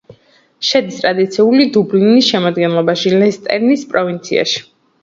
შედის ტრადიციული დუბლინის შემადგენლობაში, ლენსტერის პროვინციაში.